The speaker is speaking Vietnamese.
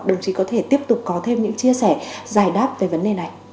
đồng chí có thể tiếp tục có thêm những chia sẻ giải đáp về vấn đề này